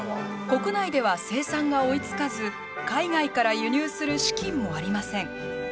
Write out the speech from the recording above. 国内では生産が追いつかず海外から輸入する資金もありません。